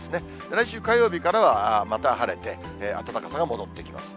来週火曜日からは、また晴れて暖かさが戻ってきます。